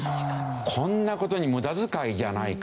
こんな事に無駄遣いじゃないか。